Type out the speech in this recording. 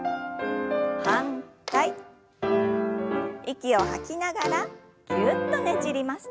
息を吐きながらぎゅっとねじります。